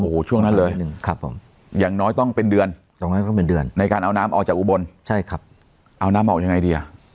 โอ้โหช่วงนั้นเลยอย่างน้อยต้องเป็นเดือนในการเอาน้ำออกจากอุบลเอาน้ำออกจากไงดี